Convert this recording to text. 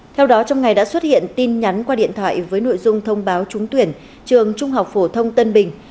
theo đó trong ngày đã xuất hiện tin nhắn qua điện thoại với nội dung thông báo trúng tuyển trường trung học phổ thông tân bình